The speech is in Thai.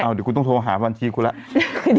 เดี๋ยวคุณต้องโทรหาบัญชีคุณแล้ว